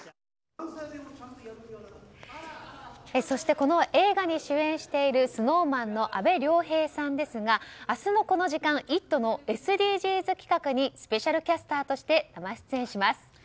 そしてこの映画に主演しているＳｎｏｗＭａｎの阿部亮平さんですが明日のこの時間「イット！」のＳＤＧｓ企画にスペシャルキャスターして生出演します。